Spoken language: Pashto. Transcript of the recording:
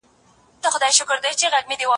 نه وريځي نه یې نخښه سته باران راغلی دی